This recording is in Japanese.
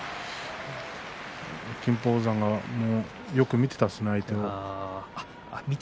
金峰山がもうよく見ていましたね相手を。